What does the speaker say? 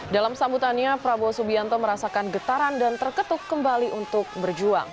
dalam sambutannya prabowo subianto merasakan getaran dan terketuk kembali untuk berjuang